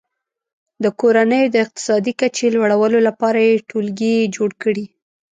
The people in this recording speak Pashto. د کورنیو د اقتصادي کچې لوړولو لپاره یې ټولګي جوړ کړي.